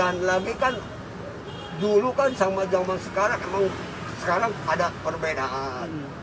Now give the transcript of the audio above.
dan lagi kan dulu kan sama zaman sekarang memang sekarang ada perbedaan